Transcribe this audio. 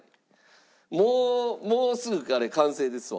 もうもうすぐ完成ですわ。